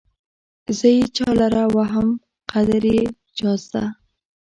زه يې چالره وهم قدر يې چازده